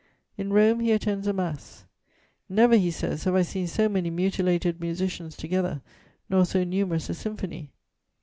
In Rome he attends a mass: "Never," he says, "have I seen so many mutilated musicians together, nor so numerous a symphony.